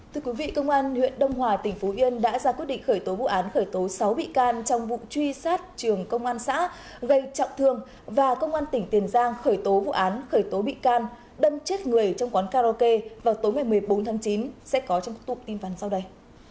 thưa quý vị công an huyện đông hòa tỉnh phú yên đã ra quyết định khởi tố vụ án khởi tố sáu bị can trong vụ truy sát trường công an xã gây trọng thương và công an tỉnh tiền giang khởi tố vụ án khởi tố bị can đâm chết người trong quán karaoke vào tối ngày một mươi bốn tháng chín sẽ có trong cụm tin vắn sau đây